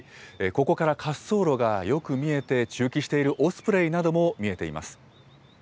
ここから滑走路がよく見えて、駐機しているオスプレイなども見えています。